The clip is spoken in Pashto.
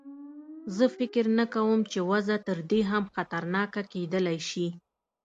زه فکر نه کوم چې وضع تر دې هم خطرناکه کېدلای شي.